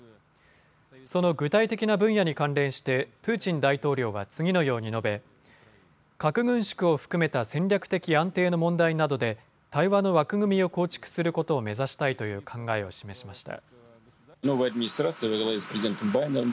その具体的な分野に関連してプーチン大統領は次のように述べ、核軍縮を含めた戦略的安定の問題などで対話の枠組みを構築することを目指したいという考えを示しました。